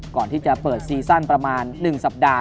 ก่อนที่จะเปิดซีซั่นประมาณ๑สัปดาห